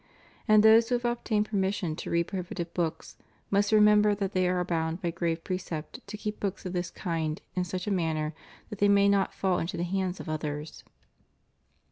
And those who have obtained permission to read prohibited books must remember that they are bound by grave precept to keep books of this kind in such a manner that they may not fall into the hands of others.